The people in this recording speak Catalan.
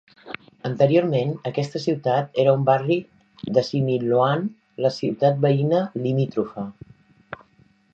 Anteriorment, aquesta ciutat era un barri de Siniloan, la ciutat veïna limítrofa.